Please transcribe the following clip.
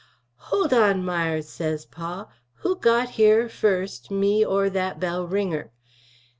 Hold on Mires says Pa, who got here 1st, me or that bell wringer.